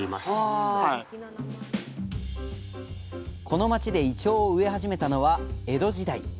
この町でイチョウを植え始めたのは江戸時代。